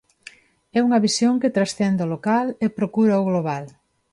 É unha visión que transcende o local e procura o global.